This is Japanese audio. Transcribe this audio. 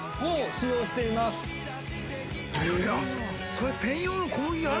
それ。